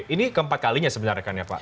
ini keempat kalinya sebenarnya pak